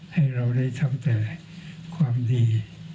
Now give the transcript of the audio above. ให้เราได้ทำแต่ความดี